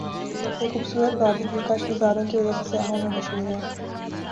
یہ خو بصورت وادی ا دل کش نظاروں کی وجہ سے سیاحوں میں مشہور ہے ۔